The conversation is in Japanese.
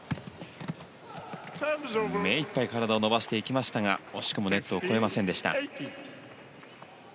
目いっぱい体を伸ばしていきましたが惜しくもネットを越えませんでした。